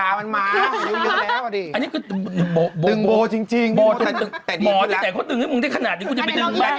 หมอแต่เขาตึงให้มึงทรีย์ขนาดนี้ก็เขาพูดว่ามั้ย